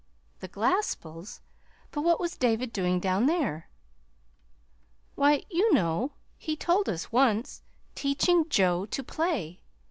"The Glaspells? But what was David doing down there?" "Why, you know, he told us once, teaching Joe to play.